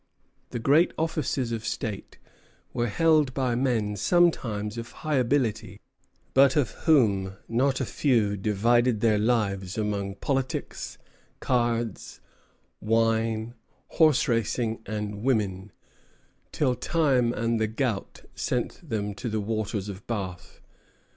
The great offices of state were held by men sometimes of high ability, but of whom not a few divided their lives among politics, cards, wine, horse racing, and women, till time and the gout sent them to the waters of Bath.